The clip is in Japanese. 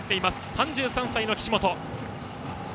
３３歳の岸本。